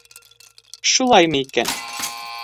Шулаймы икән...